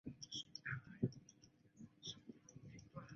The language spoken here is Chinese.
带双亲前往澳门输到脱裤